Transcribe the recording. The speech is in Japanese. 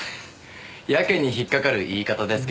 やけに引っかかる言い方ですけど何か？